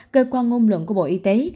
cơ quan ngôn luận của bộ y tế